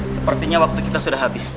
sepertinya waktu kita sudah habis